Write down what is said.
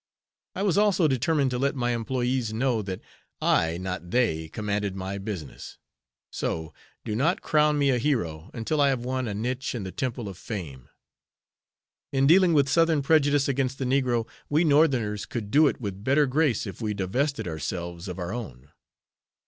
I was also determined to let my employés know that I, not they, commanded my business. So, do not crown me a hero until I have won a niche in the temple of fame. In dealing with Southern prejudice against the negro, we Northerners could do it with better grace if we divested ourselves of our own.